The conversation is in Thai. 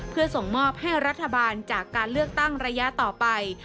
เพื่อส่งมอบให้รัฐบาลจากการเลือกตั้งระยะต่อไป